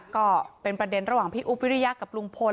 ก็เป็นประเด็นระหว่างพี่อุ๊บวิริยะกับลุงพล